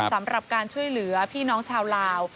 สำหรับการช่วยเหลือพี่น้องชาวลาว